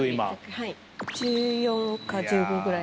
はい。